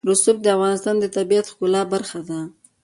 رسوب د افغانستان د طبیعت د ښکلا برخه ده.